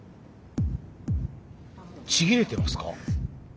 ちぎれてますか？